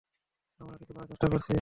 আমরা কিছু করার চেষ্টা করছি।